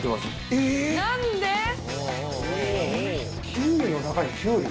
キウイの中にキュウリ？